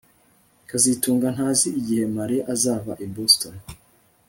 kazitunga ntazi igihe Mariya azava i Boston